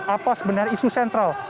apa sebenarnya isu sentral